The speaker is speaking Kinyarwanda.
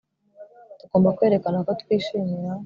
Tugomba kwerekana ko twishimira